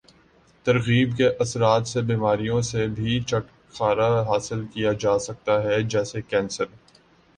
ترغیب کے اثرات سے بیماریوں سے بھی چھٹکارا حاصل کیا جاسکتا ہے جیسے کینسر